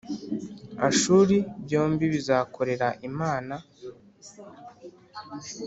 Ashuri byombi bizakorera Imana